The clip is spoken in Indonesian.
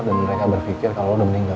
dan mereka berpikir kalau lo udah meninggal